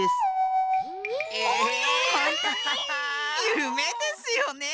ゆめですよね。